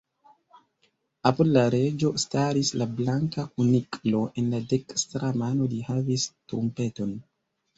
Apud la Reĝo staris la Blanka Kuniklo; en la dekstra mano li havis trumpeton.